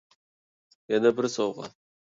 يەنە بىر سوۋغا.